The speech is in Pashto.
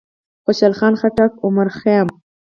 خوشحال خان خټک، عمر خيام،